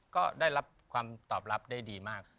ก็ได้รับความตอบรับได้ดีมาก